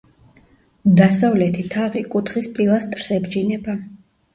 დასავლეთი თაღი კუთხის პილასტრს ებჯინება.